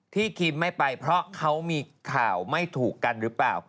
คิมไม่ไปเพราะเขามีข่าวไม่ถูกกันหรือเปล่า